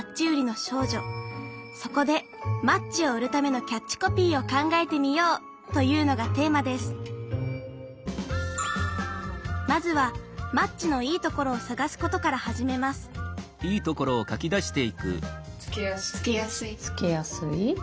そこでマッチを売るためのキャッチコピーを考えてみようというのがテーマですまずはマッチのいいところを探すことから始めますつけやすい。